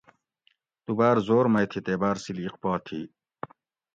تو بار زور مئ تھی تے باۤر سیلیق پا تھی